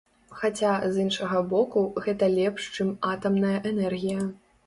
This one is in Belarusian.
Хаця, з іншага боку, гэта лепш, чым атамная энергія.